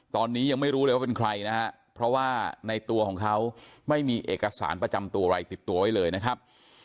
ตอนนี้ยังไม่รู้เลยว่าเป็นใครนะฮะเพราะว่าในตัวของเขาไม่มีเอกสารประจำตัวอะไรติดตัวไว้เลยนะครับ